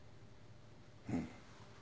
うん